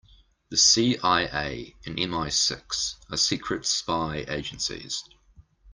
The CIA and MI-Six are secret spy agencies.